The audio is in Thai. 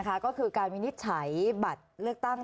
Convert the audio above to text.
การมีนิตรใช้บัตรเลือกตั้ง